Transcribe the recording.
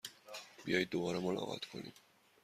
بیایید دوباره ملاقات کنیم!